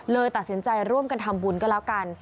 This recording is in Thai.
ตัดสินใจร่วมกันทำบุญก็แล้วกัน